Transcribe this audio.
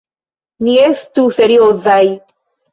Ni estu seriozaj!